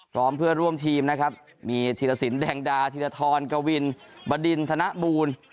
พร้อมเพื่อร่วมทีมนะครับมีธีรสินแดงดาธีรทรกวินบดินธนบูล